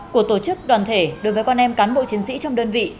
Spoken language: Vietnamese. của tổ chức đoàn thể đối với con em cán bộ chiến sĩ trong đơn vị